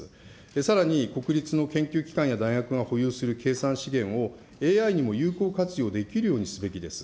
さらに国立の研究機関や大学が保有する計算資源をＡＩにも有効活用できるようにすべきです。